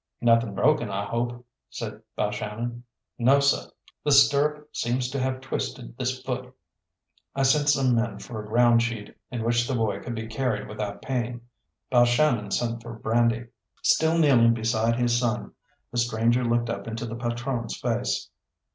"Nothing broken, I hope?" said Balshannon. "No, seh. The stirrup seems to have twisted this foot." I sent some men for a ground sheet in which the boy could be carried without pain. Balshannon sent for brandy. Still kneeling beside his son, the stranger looked up into the patrone's face.